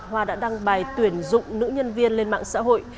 hoa đã đăng bài tuyển dụng nữ nhân viên lên mạng xã hội